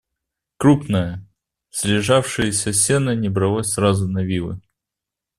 Крупное, слежавшееся сено не бралось сразу на вилы.